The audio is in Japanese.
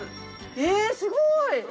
えぇすごい！